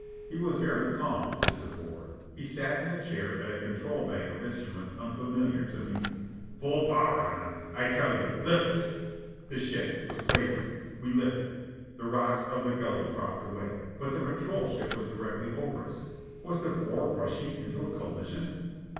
He was very calm, this De Boer. He sat in a chair at a control bank of instruments unfamiliar to me. "Full power, Hans: I tell you. Lift us!" The ship was quivering. We lifted. The rocks of the gully dropped away. But the patrol ship was directly over us. Was De Boer rushing into a collision?